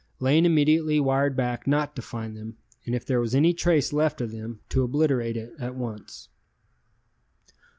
Lane immediately wired back not to find them, and if there was any trace left of them to obliterate it at once.